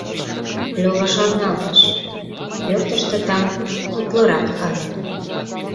Лёва шарналтыш: пӧртыштӧ там тутлырак ыле.